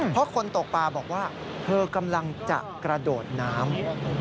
เพราะคนตกปลาบอกว่าเธอกำลังจะกระโดดน้ำ